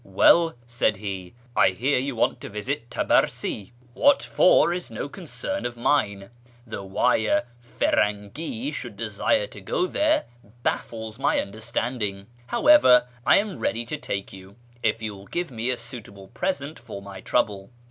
" Well," said he, " I hear you want to visit Tabarsi ; what for is no concern of mine, though why a Firangi should desire to go there bafiles my understanding. However, I am ready to take you, if you will give me a suitable present for my trouble.